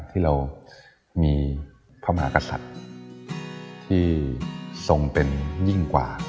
ที่เรามีพระมหากษัตริย์ที่ทรงเป็นยิ่งกว่า